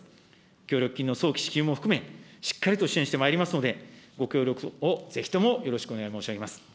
協力金の早期支給も含め、しっかりと支援してまいりますので、ご協力をぜひともよろしくお願い申し上げます。